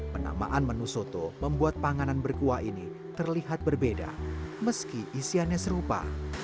penamaan menu soto membuat panganan berkuah ini terlihat berbeda meski isiannya serupa